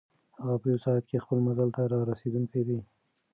هغه په یوه ساعت کې خپل منزل ته رارسېدونکی دی.